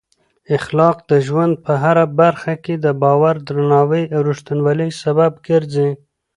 اخلاق د ژوند په هره برخه کې د باور، درناوي او رښتینولۍ سبب ګرځي.